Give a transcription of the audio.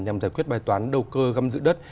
là một bài toán đầu cơ găm giữ đất